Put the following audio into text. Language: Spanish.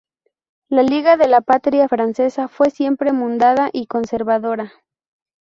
La Liga de la Patria Francesa fue siempre mundana y conservadora.